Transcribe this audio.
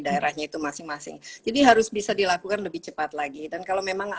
daerahnya itu masing masing jadi harus bisa dilakukan lebih cepat lagi dan kalau memang